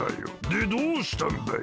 でどうしたんだい？